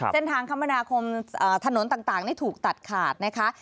เส้นทางคำนาคมถนนต่างได้ถูกตัดขาดนะคะ